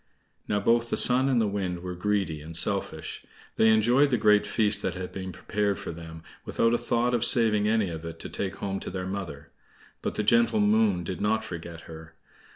Now both the Sun and the Wind were greedy and selfish. They enjoyed the great feast that had been prepared for them, without a thought of saving any of it to take home to their mother; but the gentle Moon did not forget her.